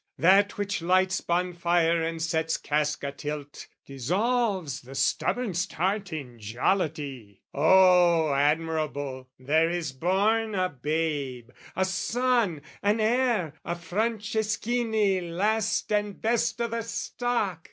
That which lights bonfire and sets cask a tilt, Dissolves the stubborn'st heart in jollity. O admirable, there is born a babe, A son, an heir, a Franceschini last And best o' the stock!